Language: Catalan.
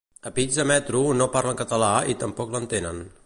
A pizza metro no parlen català i tampoc l'entenen